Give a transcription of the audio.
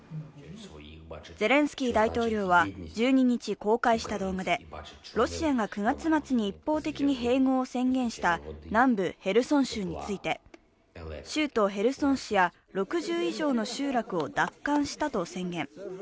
ゼレンスキー大統領は１２日公開した動画でロシアが９月末に一方的に併合を宣言した南部ヘルソン州について、州都ヘルソン市や６０以上の集落を奪還したと宣言。